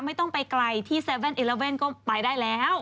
ไม่ต้องไปไกลที่๗๑๑ก็ไปได้แล้ว